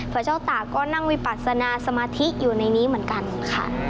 พระเจ้าตาก็นั่งวิปัสนาสมาธิอยู่ในนี้เหมือนกันค่ะ